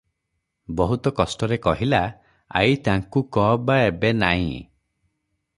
ବହୁତ କଷ୍ଟରେ କହିଲା, "ଆଈ-ତା-ଙ୍କୁ-କ-ଅ- ବା-ଏ-ବେ-ନା-ଇଁ ।"